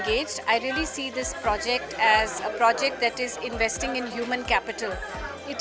saya melihat proyek ini sebagai proyek yang berinvestasi dalam kapital manusia